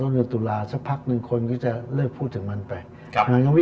สักพักนึงคนก็จะเลือกพูดถึงมันไป